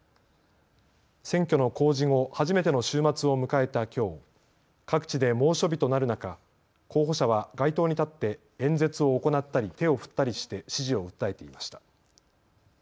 選挙の公示後、初めての週末を迎えたきょう各地で猛暑日となる中、候補者は街頭に立って演説を行ったり手を振ったりして支持を訴えていました。